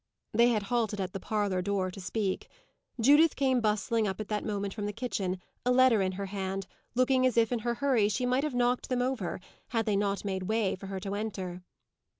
They had halted at the parlour door to speak. Judith came bustling up at that moment from the kitchen, a letter in her hand, looking as if in her hurry she might have knocked them over, had they not made way for her to enter.